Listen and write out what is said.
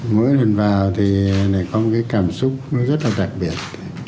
mỗi lần vào thì có một cảm xúc rất là đặc biệt